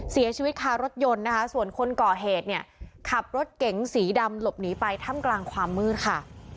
เสียชีวิตคารถยนต์นะคะส่วนคนก่อเหตุเนี่ยขับรถเก๋งสีดำหลบหนีไปถ้ำกลางความมืดค่ะ